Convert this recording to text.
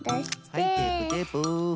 はいテープテープ。